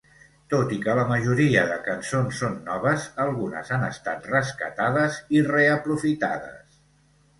Tot i que la majoria de cançons són noves, algunes han estat rescatades i reaprofitades.